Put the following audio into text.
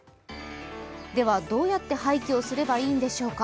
では、どうやって廃棄をすればいいんでしょうか。